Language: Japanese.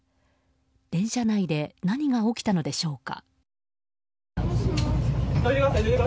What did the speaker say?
電車内で何が起きたのでしょうか。